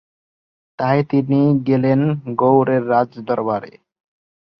তাই তিনি গেলেন গৌড়ের রাজ দরবারে।